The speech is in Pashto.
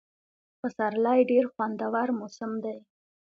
پسرلی ډېر خوندور موسم دی.